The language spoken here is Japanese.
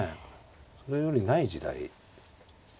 それよりない時代。